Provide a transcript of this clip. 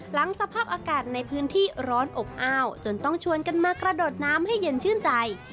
สภาพอากาศในพื้นที่ร้อนอบอ้าวจนต้องชวนกันมากระโดดน้ำให้เย็นชื่นใจ